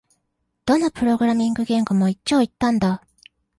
どのプログラミング言語も一長一短だ